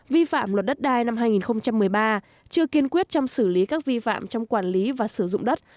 vi phạm luật đất đai năm hai nghìn một mươi ba chưa kiên quyết trong xử lý các vi phạm trong quản lý và sử dụng đất